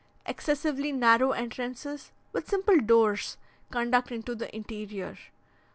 Excessively narrow entrances, with simple doors, conduct into the interior.